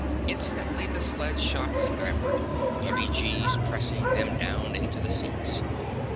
Instantly, the sled shot skyward, heavy G's pressing them down into the seats.